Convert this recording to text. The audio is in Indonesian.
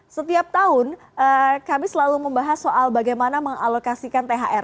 setiap tahun kami selalu membahas soal bagaimana mengalokasikan thr